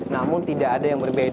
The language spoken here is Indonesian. namun tidak ada yang bisa diperlukan